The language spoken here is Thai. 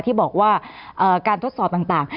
ที่บอกว่าการทดสอบต่าง